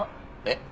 えっ？